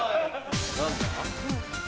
何だ？